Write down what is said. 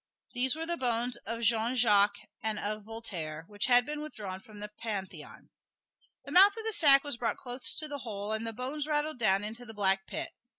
These were the bones of Jean Jacques and of Voltaire, which had been withdrawn from the Pantheon. "The mouth of the sack was brought close to the hole, and the bones rattled down into that black pit.